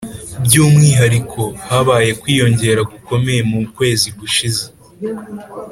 byumwihariko, habaye kwiyongera gukomeye mu kwezi gushize